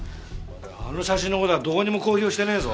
あの写真の事はどこにも公表してねえぞ。